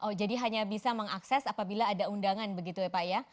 oh jadi hanya bisa mengakses apabila ada undangan begitu ya pak ya